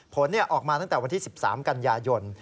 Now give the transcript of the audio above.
ผลออกมาตั้งแต่วันที่๑๓กันยายน